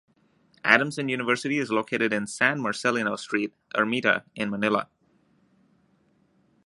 Adamson University is located in San Marcelino Street, Ermita in Manila.